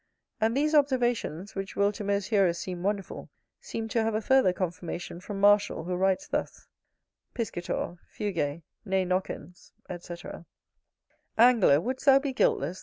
And these observations, which will to most hearers seem wonderful, seem to have a further confirmation from Martial, who writes thus: Piscator, fuge; ne nocens, etc. Angler! would'st thou be guiltless